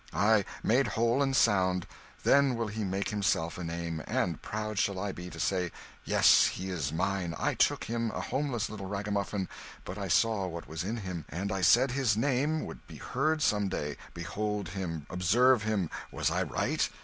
ay, made whole and sound then will he make himself a name and proud shall I be to say, 'Yes, he is mine I took him, a homeless little ragamuffin, but I saw what was in him, and I said his name would be heard some day behold him, observe him was I right?